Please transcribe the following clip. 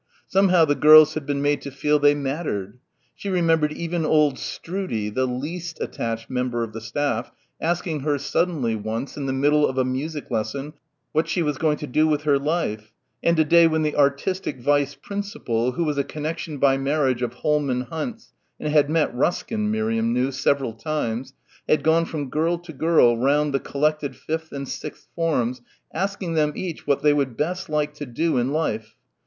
Somehow the girls had been made to feel they mattered. She remembered even old Stroodie the least attached member of the staff asking her suddenly, once, in the middle of a music lesson what she was going to do with her life and a day when the artistic vice principal who was a connection by marriage of Holman Hunt's and had met Ruskin, Miriam knew, several times had gone from girl to girl round the collected fifth and sixth forms asking them each what they would best like to do in life.